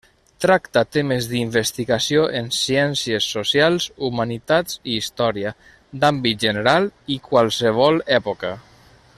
Tracta temes d'investigació en ciències socials, humanitats i història, d'àmbit general i qualsevol època.